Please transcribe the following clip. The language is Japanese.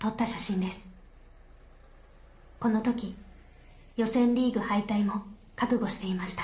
この時予選リーグ敗退も覚悟していました。